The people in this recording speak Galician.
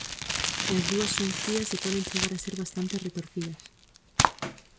E as dúas son frías e poden chegar a ser bastante retorcidas.